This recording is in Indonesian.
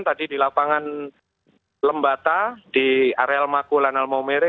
tadi di lapangan lembata di areal mako lanal momere